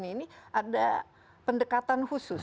ini ada pendekatan khusus